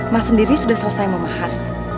mas sendiri sudah selesai memahat